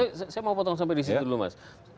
tunggu saya mau potong sampai disitu dulu mas